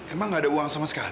emang gak ada uang sama sekali